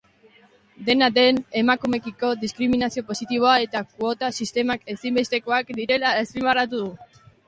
Dena den, emakumeekiko diskriminazio positiboa eta kuota sistemak ezinbestekoak direla azpimarratu du.